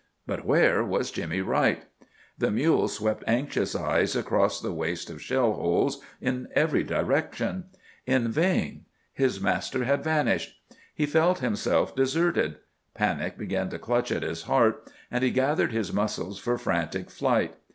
But where was Jimmy Wright? The mule swept anxious eyes across the waste of shell holes, in every direction. In vain. His master had vanished. He felt himself deserted. Panic began to clutch at his heart, and he gathered his muscles for frantic flight.